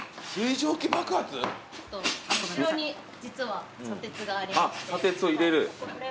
後ろに実は砂鉄がありまして。